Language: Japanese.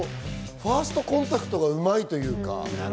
ファーストコンタクトがうまいというか。